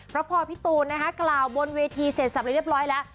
เพราะพอพี่ตูนนะคะกล่าวบนเวทีเสร็จสับเรียบร้อยแล้ว